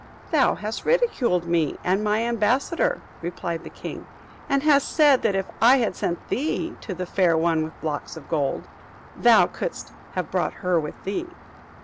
"Thou hast ridiculed me and my ambassador," replied the king; "and hast said, that if I had sent thee to the Fair One with Locks of Gold, thou couldst have brought her with thee."